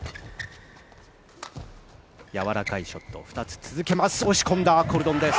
やわらかいショットを２つ続けます。